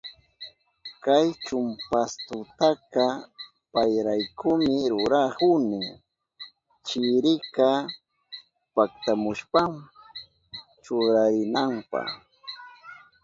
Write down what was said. Kay chumpastutaka payraykumi rurahuni, chirika paktashpan churarinanpa.